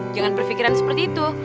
jangan berpikiran seperti itu